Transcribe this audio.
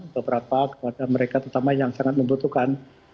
beberapa kepada mereka terutama yang sangat membutuhkan